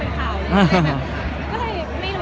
พบีคุยกันได้หน่อย